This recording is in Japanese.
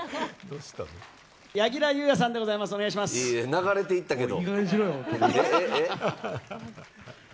流れていったけれど。